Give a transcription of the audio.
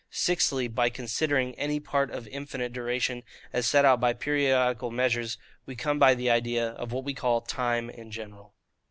Sixthly, by considering any part of infinite duration, as set out by periodical measures, we come by the idea of what we call TIME in general.